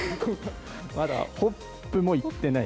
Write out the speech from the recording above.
まだホップも行ってない？